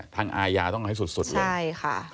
ทางอายาต้องให้สุดเลย